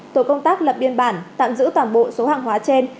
tổ công tác lập biên bản tạm giữ toàn bộ số hàng hóa trên